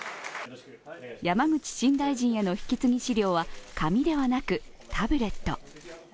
山口新大臣への引き継ぎ資料は紙ではなくタブレット。